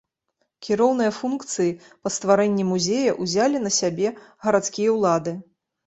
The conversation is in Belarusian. Кіроўныя функцыі па стварэнні музея ўзялі на сябе гарадскія ўлады.